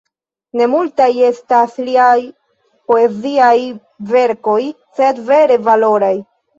Ne multaj estas liaj poeziaj verkoj, sed vere valoraj.